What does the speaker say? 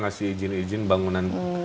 ngasih izin izin bangunan